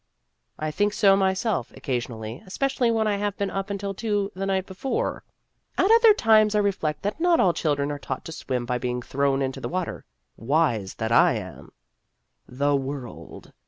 ' I think so myself occasionally espe cially when I have been up until two the night before. At other times I reflect that not all children are taught to swim by Danger ! 255 being thrown into the water. (Wise that I am!) The world